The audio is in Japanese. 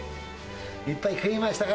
いっぱい食いましたか？